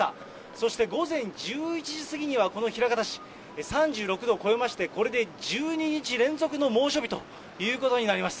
そして午前１１時過ぎには、この枚方市、３６度を超えまして、これで１２日連続の猛暑日ということになります。